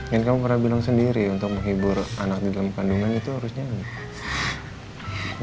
kan kamu pernah bilang sendiri untuk menghibur anak di dalam kandungan itu harus nyanyi